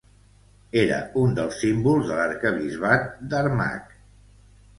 Era un dels símbols de l'Arquebisbat d'Armagh.